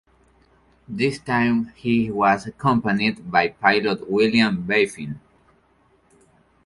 This time he was accompanied by pilot William Baffin.